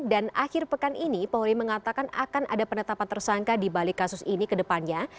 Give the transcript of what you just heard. dan akhir pekan ini pohori mengatakan akan ada penetapan tersangka di balik kasus ini ke depannya